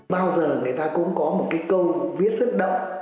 bao giờ người ta cũng có một cái câu viết rất đậm